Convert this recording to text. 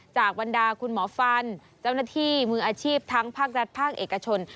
บรรดาคุณหมอฟันเจ้าหน้าที่มืออาชีพทั้งภาครัฐภาคเอกชน